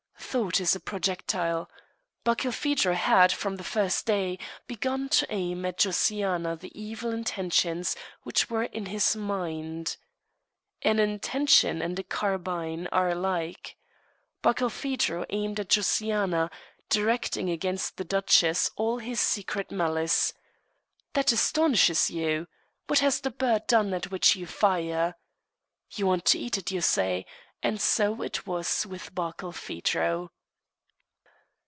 Thought is a projectile. Barkilphedro had, from the first day, begun to aim at Josiana the evil intentions which were in his mind. An intention and a carbine are alike. Barkilphedro aimed at Josiana, directing against the duchess all his secret malice. That astonishes you! What has the bird done at which you fire? You want to eat it, you say. And so it was with Barkilphedro.